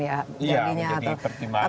ya jadinya atau ya jadi pertimbangan